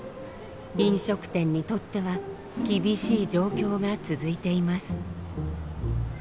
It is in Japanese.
飲食店にとっては厳しい状況が続いています。